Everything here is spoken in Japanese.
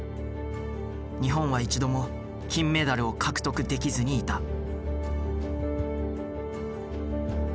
日本は一度も金メダルを獲得できずにいた。